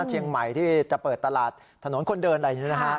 เชียงใหม่ที่จะเปิดตลาดถนนคนเดินอะไรอย่างนี้นะฮะ